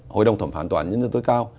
hội đồng thẩm phán toàn nhân dân tối cao